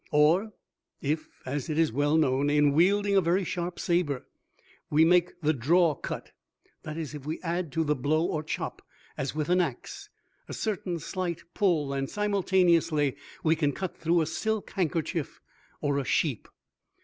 Or, if, as is well known, in wielding a very sharp saber, we make the draw cut, that is if we add to the blow or chop, as with an axe, a certain slight pull and simultaneously, we can cut through a silk handkerchief or a sheep.